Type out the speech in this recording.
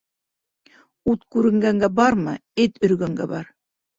Ут күренгәнгә барма, эт өргәнгә бар.